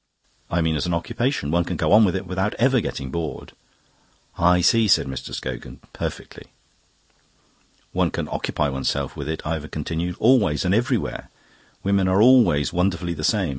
"I mean as an occupation. One can go on with it without ever getting bored." "I see," said Mr. Scogan. "Perfectly." "One can occupy oneself with it," Ivor continued, "always and everywhere. Women are always wonderfully the same.